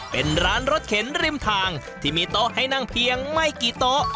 เป็นร้านรถเข็นริมทางที่มีโต๊ะให้นั่งเพียงไม่กี่โต๊ะ